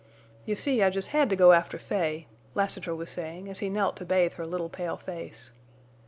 "You see I jest had to go after Fay," Lassiter was saying, as he knelt to bathe her little pale face.